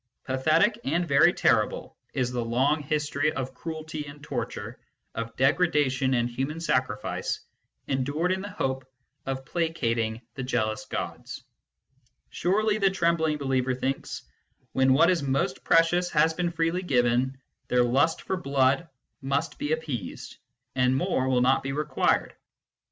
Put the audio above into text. Pathetic and very terrible is the long history of cruelty and torture, of degradation and human sacrifice, endured in the hope of placating the jealous gods : surely, the trembling believer thinks, when what is most precious has been freely given, their lust for blood must be ap peased, and more will not be required.